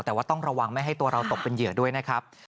แต่ว่าต้องระวังไม่ให้ตัวเราตกเป็นเหยื่อด้วยนะครับ